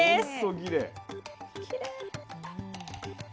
きれい！